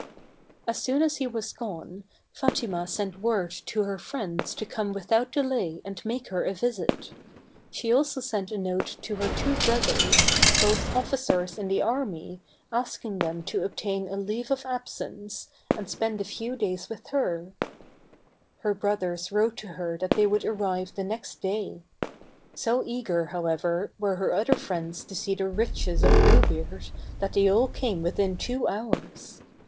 As soon as he was gone, Fatima sent word to her friends to come without delay and make her a visit. She also sent a note to her two brothers, both officers in the army, asking them to obtain a leave of absence, and spend a few days with her. H er brothers wrote to her that they would arrive the next day. So eager, however, were her other friends to see the BLUE BEARD. FATIMA TRIES TO REMOVE THE BLOOD STAINS FROM THE KEY. 273 l BLUE BEARD. riches of Blue Beard, that they all came within two hours.